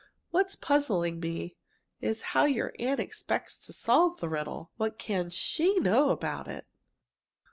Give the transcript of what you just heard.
What's puzzling me is how your aunt expects to solve the riddle? What can she know about it?"